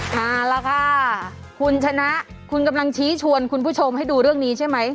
เอาละค่ะคุณชนะคุณกำลังชี้ชวนคุณผู้ชมให้ดูเรื่องนี้ใช่ไหม